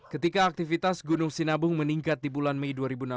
ketika aktivitas gunung sinabung meningkat di bulan mei dua ribu enam belas